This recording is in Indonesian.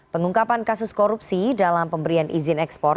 pengungkapan kasus korupsi dalam pemberian izin ekspor